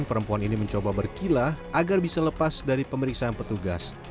perempuan ini mencoba berkilah agar bisa lepas dari pemeriksaan petugas